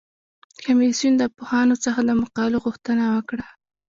کمیسیون د پوهانو څخه د مقالو غوښتنه وکړه.